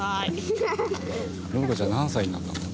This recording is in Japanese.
洵子ちゃん何歳になったの？